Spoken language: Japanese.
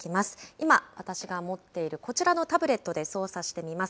今、私が持っているこちらのタブレットで操作してみます。